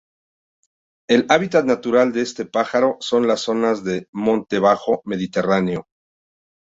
El hábitat natural de este pájaro son las zonas de monte bajo mediterráneo.